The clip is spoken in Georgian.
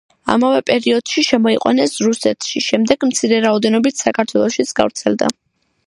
ამავე პერიოდში შემოიყვანეს რუსეთში, შემდეგ მცირე რაოდენობით საქართველოშიც გავრცელდა.